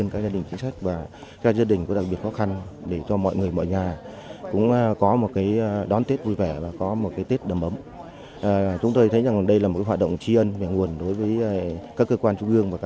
cho các gia đình chính sách tại địa phương